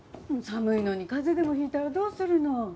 寒いのに風邪でも引いたらどうするの？